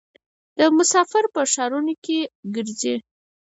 دا مسافر په ښارونو کې ګرځي.